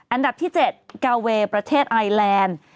อันดับที่๗กาเวย์ประเทศไอแลนด์